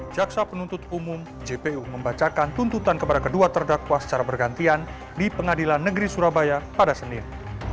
jaksa penuntut umum jpu membacakan tuntutan kepada kedua terdakwa secara bergantian di pengadilan negeri surabaya pada senin